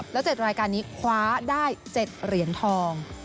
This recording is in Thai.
แล้ว๗รายการนี้คว้าได้๗เหรียญทอง